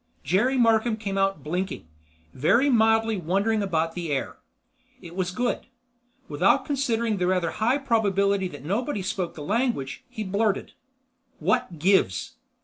Jerry Markham came out blinking; very mildly wondering about the air. It was good. Without considering the rather high probability that nobody spoke the language, he blurted: "What gives?"